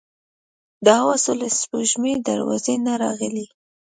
د حواسو له شپږمې دروازې نه راغلي.